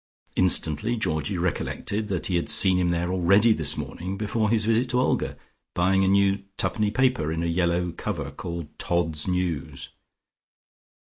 Instantly Georgie recollected that he had seen him there already this morning before his visit to Olga, buying a new twopenny paper in a yellow cover called "Todd's News."